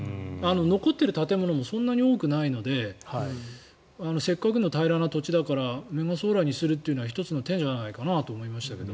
残っている建物もそんなに多くないのでせっかくの平らな土地だからメガソーラーにするのは１つの手じゃないかなと思いましたけど。